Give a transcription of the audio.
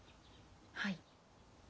はい。